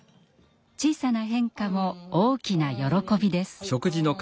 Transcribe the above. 小さな変化も大きな喜びです。